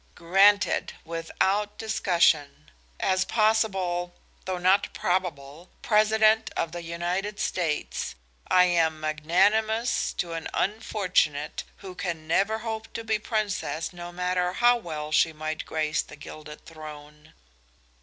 "Granted, without discussion. As possible, though not probable, President of the United States, I am magnanimous to an unfortunate who can never hope to be princess, no matter how well she might grace the gilded throne."